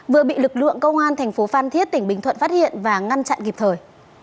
vừa bị lực lượng công an tp phan thiết tỉnh bình thuận phát hiện và ngăn chặn kịp thời